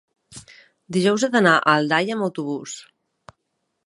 Dijous he d'anar a Aldaia amb autobús.